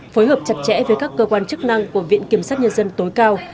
phối hợp chặt chẽ với các cơ quan chức năng của viện kiểm sát nhân dân tối cao